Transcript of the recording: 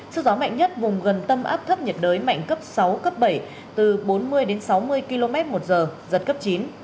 sức gió mạnh nhất vùng gần tâm áp thấp nhiệt đới mạnh cấp sáu cấp bảy từ bốn mươi đến sáu mươi km một giờ giật cấp chín